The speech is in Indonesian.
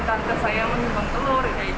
kakak saya menyumbang telur